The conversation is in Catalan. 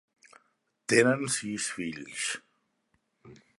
Tenen sis fills.